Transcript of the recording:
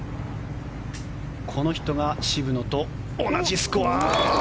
この人が渋野と同じスコア。